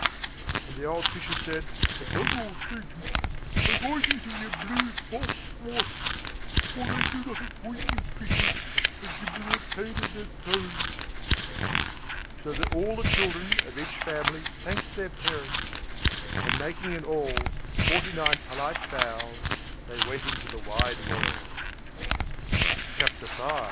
And the old Fishes said, "Above all things, avoid eating a blue boss woss; for they do not agree with fishes, and give them a pain in their toes." So all the children of each family thanked their parents; and, making in all forty nine polite bows, they went into the wide world. CHAPTER V.